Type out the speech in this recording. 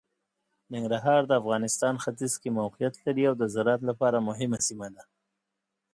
ننګرهار د افغانستان ختیځ کې موقعیت لري او د زراعت لپاره مهمه سیمه ده.